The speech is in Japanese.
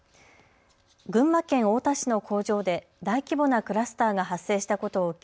群馬県太田市の工場で大規模なクラスターが発生したことを受け